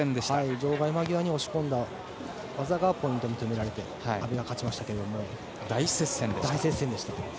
場外間際に押し込んだ技がポイントと認められて阿部が勝ちましたが大接戦でした。